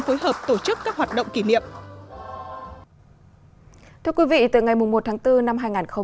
phối hợp tổ chức các hoạt động kỷ niệm thưa quý vị từ ngày một tháng bốn năm hai nghìn hai mươi